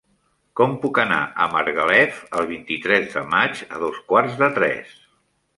Com puc anar a Margalef el vint-i-tres de maig a dos quarts de tres?